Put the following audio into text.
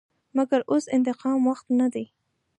مګر اوس د انتقام وخت نه دى.